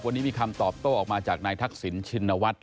วันนี้มีคำตอบโต้ออกมาจากนายทักษิณชินวัฒน์